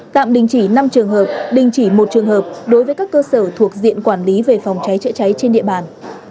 tạm đình chỉ năm trường hợp đình chỉ một trường hợp đối với các cơ sở thuộc diện quản lý về phòng cháy chữa cháy trên địa bàn